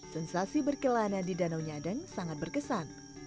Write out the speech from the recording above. sensasi berkelana di danau nyadeng sangat berkesan